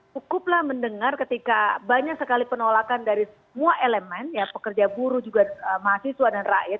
cukuplah mendengar ketika banyak sekali penolakan dari semua elemen ya pekerja buruh juga mahasiswa dan rakyat